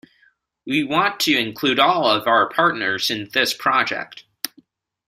We want to include all of our partners in this project.